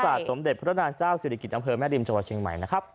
สมเด็จพระนางเจ้าศิริกิจอำเภอแม่ริมจังหวัดเชียงใหม่นะครับ